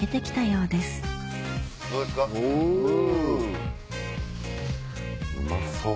うまそう！